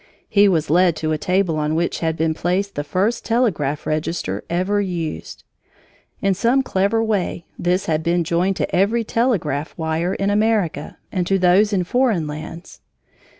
He was led to a table on which had been placed the first telegraph register ever used. In some clever way this had been joined to every telegraph wire in America and to those in foreign lands.